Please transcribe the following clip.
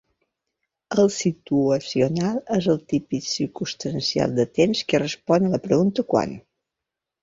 El situacional és el típic circumstancial de temps que respon la pregunta quan?